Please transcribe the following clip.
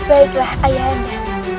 baiklah ayah anda